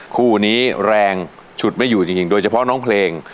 คู่นี้แรงฉุดไม่อยู่จริงโดยเฉพาะน้องเพลง